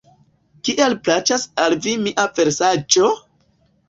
Kiel plaĉas al vi mia versaĵo?